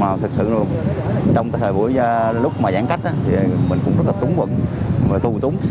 mà thực sự trong thời buổi lúc mà giãn cách mình cũng rất là túng vận tù túng